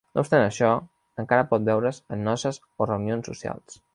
No obstant això, encara pot veure's en noces o reunions socials.